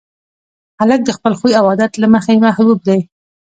هلک د خپل خوی او عادت له مخې محبوب دی.